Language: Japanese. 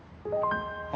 あ。